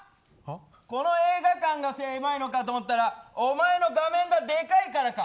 この映画館が狭いのかと思ったらおまえの画面がでかいからか。